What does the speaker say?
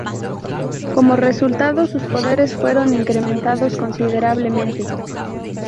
Como resultado, sus poderes fueron incrementados considerablemente.